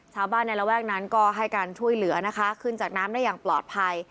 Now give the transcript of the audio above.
ชาวบ้านในระแวกนั้นก็ให้การช่วยเหลือนะคะขึ้นจากน้ำได้อย่างปลอดภัย